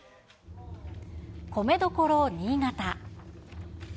米どころ新潟。